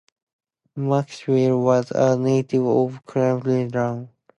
Maxwell was a native of Clarinda, Iowa.